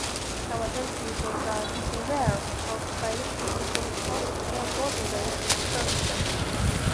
However, these were relatively rare, with most fighting consisting of small-scale border-raids and skirmishing.